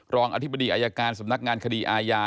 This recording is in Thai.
รองอธิบดีอายการสำนักงานคดีอาญา